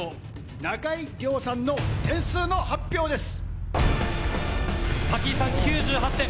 中井亮さんの点数の発表です！